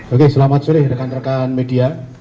oke selamat sore rekan rekan media